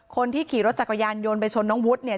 คนที่ขี่รถจักรยานยนต์ไปชนน้องวุฒิเนี่ย